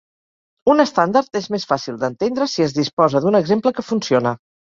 Un estàndard és més fàcil d'entendre si es disposa d'un exemple que funciona.